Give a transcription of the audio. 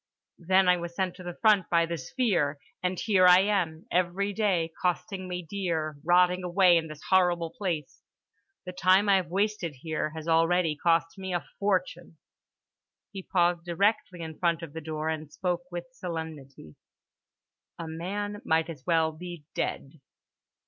Then I was sent to the front by The Sphere—and here I am, every day costing me dear, rotting away in this horrible place. The time I have wasted here has already cost me a fortune." He paused directly in front of the door and spoke with solemnity: "A man might as well be dead."